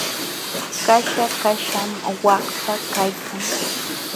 Kaśha kaśham waqta kaykan.